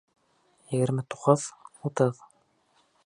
Егерме туғыҙ, утыҙ.